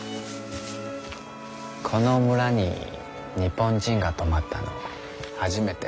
この村に日本人が泊まったの初めてだそうです。